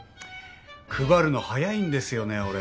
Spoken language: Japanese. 配るの早いんですよね俺。